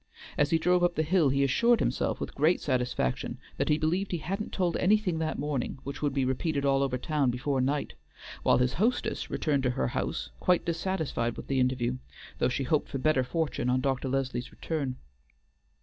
As he drove up the hill he assured himself with great satisfaction that he believed he hadn't told anything that morning which would be repeated all over town before night, while his hostess returned to her house quite dissatisfied with the interview, though she hoped for better fortune on Dr. Leslie's return.